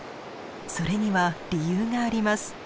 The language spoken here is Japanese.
それには理由があります。